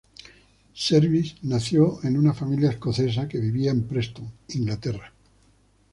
Service nació en una familia escocesa que vivía en Preston, Inglaterra.